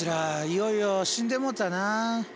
いよいよ死んでもうたな。